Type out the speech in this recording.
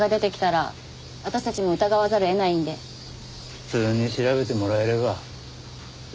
普通に調べてもらえれば。